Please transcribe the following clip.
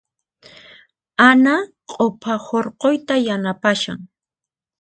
Ana q'upa hurquyta yanapashan.